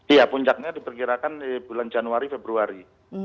iya puncaknya diperkirakan di bulan januari februari